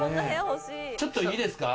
ちょっといいですか？